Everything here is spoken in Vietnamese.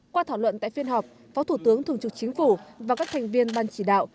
qua thảo luận tại phiên họp phó thủ tướng thường trực chính phủ và các thành viên ban chỉ đạo